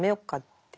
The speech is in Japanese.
って。